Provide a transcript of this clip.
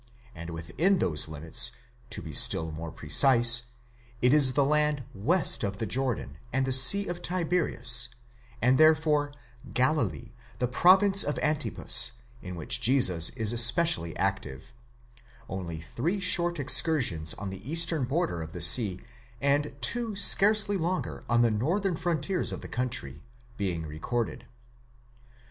And within those limits, to be still more precise, it is the land west of the Jordan, and the sea of Tiberias, and therefore Galilee, the province of Antipas, in which Jesus is especially active; only three short excursions on the eastern border of the sea, and two scarcely longer on the northern frontiers of the country, being recorded.